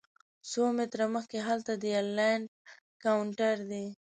څو متره مخکې هلته د ایرلاین کاونټر دی.